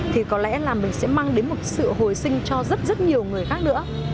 thì có lẽ là mình sẽ mang đến một sự hồi sinh cho rất rất nhiều người khác nữa